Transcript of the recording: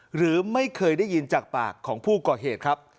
หรือไม่เคยได้ยินจากปากของผู้ก่อเหตุครับ